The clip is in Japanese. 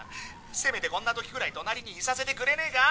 せめてこんなときくらい隣にいさせてくれねえか？